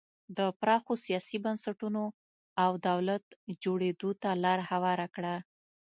د پراخو سیاسي بنسټونو او دولت جوړېدو ته لار هواره کړه.